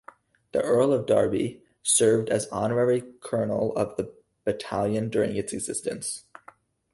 The Earl of Derby served as honorary colonel of the battalion during its existence.